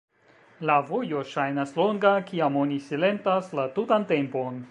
La vojo ŝajnas longa, kiam oni silentas la tutan tempon.